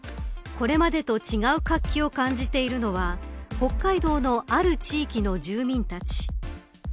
これまでと違う活気を感じているのは北海道のある地域の住民たち。